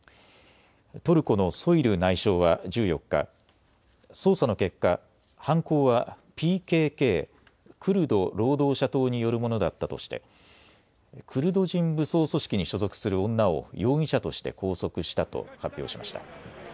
トルコのソイル内相は１４日、捜査の結果、犯行はＰＫＫ・クルド労働者党によるものだったとしてクルド人武装組織に所属する女を容疑者として拘束したと発表しました。